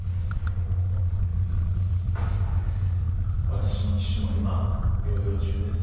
私の父も今療養中です。